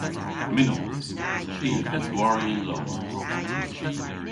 Mynnons. I a vynn gwari y'n lowarth.